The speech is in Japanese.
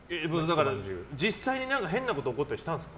実際に、変なこと起こったりしたんですか？